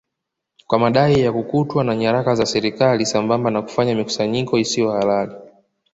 kwa madai ya kukutwa na nyaraka za serikali sambamba na kufanya mikusanyiko isiyo halali